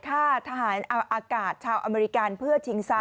อากาศชาวอเมริกันเพื่อทิ้งซัก